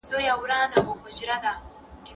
هر سړی د خپلي عقيدې حق لري.